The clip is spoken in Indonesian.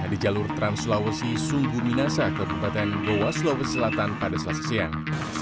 di jalur trans sulawesi sungguh minasa kabupaten goa sulawesi selatan pada selasa siang